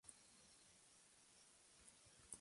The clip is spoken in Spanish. Se dice que un cheque "rebotó" cuando y como no hubo fondos.